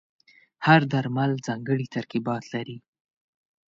هر درمل ځانګړي ترکیبات لري.